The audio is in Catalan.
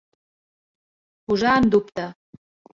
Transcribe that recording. Posar en dubte.